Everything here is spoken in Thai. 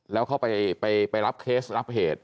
แล้วเขาไปรับเคสรับเหตุ